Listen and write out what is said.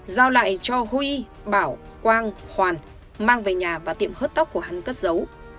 giao lại cho huy bảo quang hoàn mang về nhà và tiệm hớt tóc của hắn cất giấu